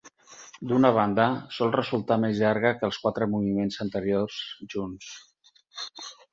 D'una banda, sol resultar més llarga que els quatre moviments anteriors junts.